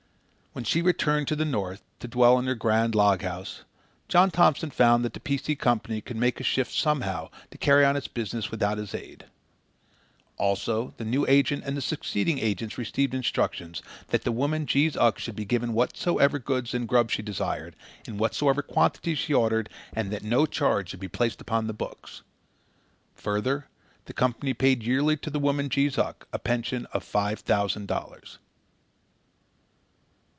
When she returned to the North to dwell in her grand log house, John Thompson found that the P. C. Company could make a shift somehow to carry on its business without his aid. Also, the new agent and the succeeding agents received instructions that the woman Jees Uck should be given whatsoever goods and grub she desired, in whatsoever quantities she ordered, and that no charge should be placed upon the books. Further, the Company paid yearly to the woman Jees Uck a pension of five thousand dollars.